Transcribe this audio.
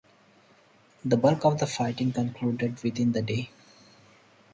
The bulk of the fighting concluded within the day.